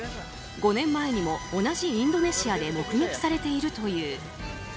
５年前にも同じインドネシアで目撃されているという。